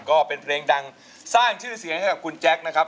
ก็เป็นเพลงดังทรายชื่อเสียงให้แจ็คนะครับ